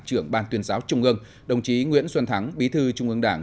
trưởng ban tuyên giáo trung ương đồng chí nguyễn xuân thắng bí thư trung ương đảng